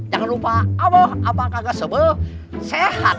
jangan lupa apa kagak sebe sehat